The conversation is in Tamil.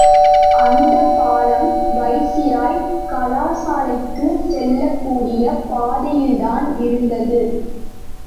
அந்தப்பாலம் வைசிராய் கலாசாலைக்குச் செல்லக்கூடிய பாதையில்தான் இருந்தது.